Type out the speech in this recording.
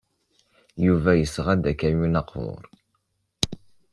Yuba yesɣa-d akamyun aqbur.